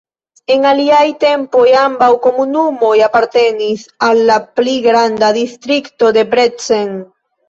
En aliaj tempoj ambaŭ komunumoj apartenis al la pli granda Distrikto Debrecen.